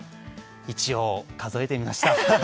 一応数えてみました。